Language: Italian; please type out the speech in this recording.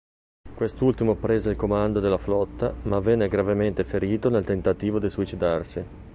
Quest'ultimo prese il comando della flotta, ma venne gravemente ferito nel tentativo di suicidarsi.